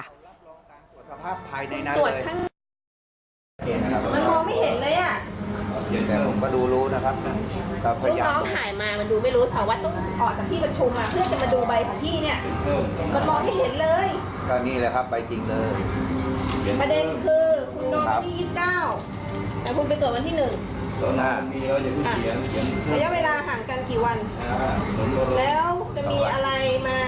เหรอครับไว้จริงเลยประเด็นคือคุณโดรห์ที่๒๙เราพูดไปตรวจวันที่๑ระยะเวลาห่างกันกี่วันแล้วจะมีอะไรมา